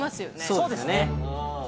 そうですね